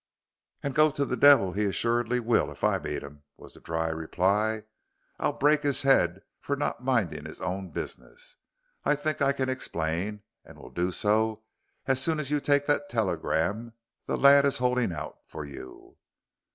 "And go to the devil he assuredly will if I meet him," was the dry reply. "I'll break his head for not minding his own business. I think I can explain, and will do so as soon as you take that telegram the lad is holding out for you."